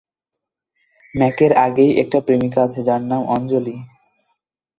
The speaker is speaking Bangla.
ম্যাকের আগেই একটা প্রেমিকা আছে যার নাম অঞ্জলি।